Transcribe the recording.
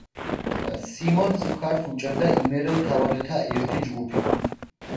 სიმონს მხარს უჭერდა იმერელ თავადთა ერთი ჯგუფი.